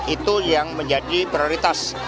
itu yang menjadi prioritas